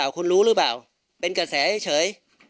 คุณรู้หรือเปล่าเป็นกระแสเฉย